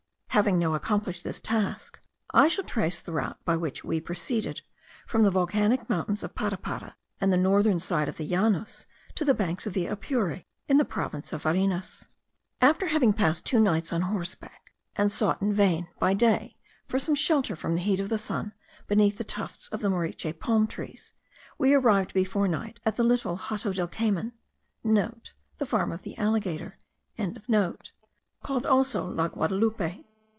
Having now accomplished this task, I shall trace the route by which we proceeded from the volcanic mountains of Parapara and the northern side of the Llanos, to the banks of the Apure, in the province of Varinas. After having passed two nights on horseback, and sought in vain, by day, for some shelter from the heat of the sun beneath the tufts of the moriche palm trees, we arrived before night at the little Hato del Cayman,* (* The Farm of the Alligator.) called also La Guadaloupe.